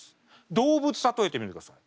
動物例えてみてください。